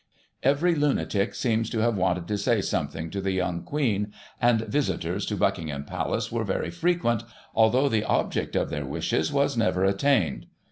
Every lunatic seems to have wanted to say something to the young Queen, and visitors to Buckingham Palace were very frequent, although the object of their wishes was never attained.